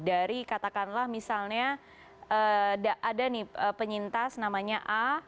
dari katakanlah misalnya ada nih penyintas namanya a